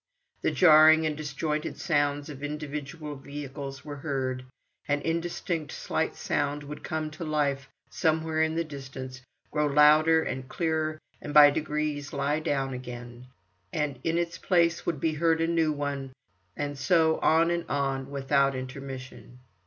The jarring and disjointed sounds of individual vehicles were heard; an indistinct, slight sound would come to life somewhere in the distance, grow louder and clearer, and by degrees lie down again, and in its place would be heard a new one, and so on and on without intermission.